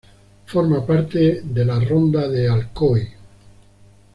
Forma parte de la ronda de Alcoy.